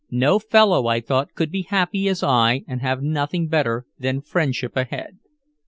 No fellow, I thought, could be happy as I and have nothing better than friendship ahead.